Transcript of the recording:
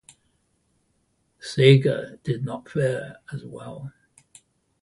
Sega did not fare as well.